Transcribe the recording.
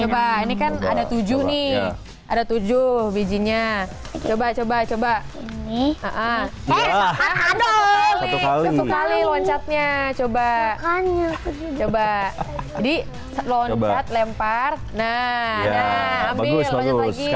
ini kan ada tujuh nih ada tujuh bijinya coba coba coba coba coba coba di lompat lempar nah bagus bagus